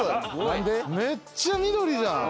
めっちゃ緑じゃん。